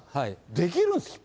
できるんですか？